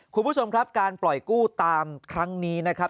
คุณผู้ชมครับการปล่อยกู้ตามครั้งนี้นะครับ